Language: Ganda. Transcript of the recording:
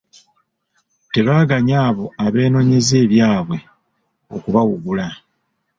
Tebaganya abo abeenoonyeza ebyabwe okubawugula.